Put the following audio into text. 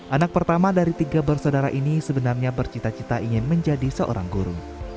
anak pertama dari tiga bersaudara ini sebenarnya bercita cita ingin menjadi seorang guru